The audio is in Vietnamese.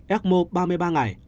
ecmo ba mươi ba ngày